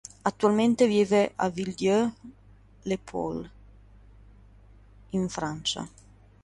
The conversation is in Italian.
Attualmente vive a Villedieu-les-Poêles, in Francia.